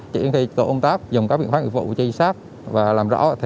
chỉ khi tổ công tác dùng các biện pháp ưu vụ chi sát và làm rõ